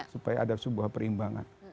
supaya ada sebuah perimbangan